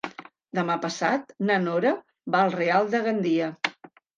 Demà passat na Nora va al Real de Gandia.